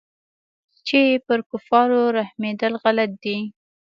چې پر كفارو رحمېدل غلط دي.